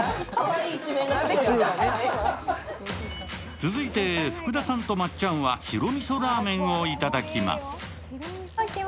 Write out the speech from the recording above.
続いて、福田さんとまっちゃんは白味噌ラーメンをいただきます。